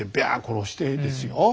殺してですよ